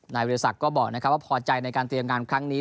นายวิทยาศักดิ์ก็บอกว่าพอใจในการเตรียมงานครั้งนี้